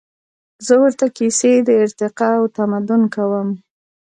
زهٔ ورته کیسې د ارتقا او تمدن کوم